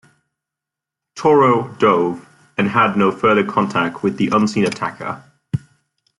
"Toro" dove and had no further contact with the unseen attacker.